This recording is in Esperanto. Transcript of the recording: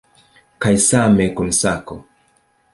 Kaj same kun sako.